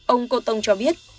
ông cô tông cho biết